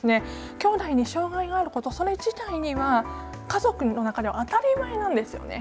兄弟に障害があることそれ自体には家族の中では当たり前なんですよね。